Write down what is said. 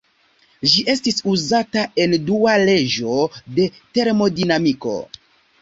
Ĝi estas uzata en Dua leĝo de termodinamiko.